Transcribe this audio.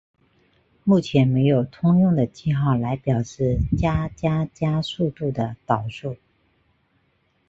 目前没有通用的记号来表示加加加速度的导数。